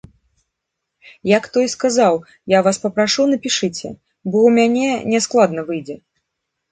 Як той казаў, я вас папрашу, напішыце, бо ў мяне няскладна выйдзе.